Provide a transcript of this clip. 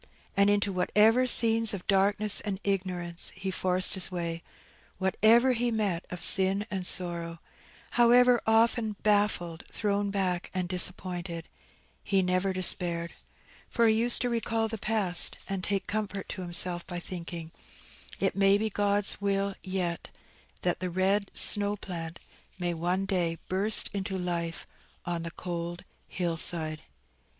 And into whatever scenes of darkness and ignorance he forced his way; whatever he met of sin and sorrow; however often baffled, thrown back, and disappointed, he never despaired; for he used to recall the past, and take comfort to himself by thinking, "It may be God's will yet, that the red snow plant may one day burst into life on the cold hill side."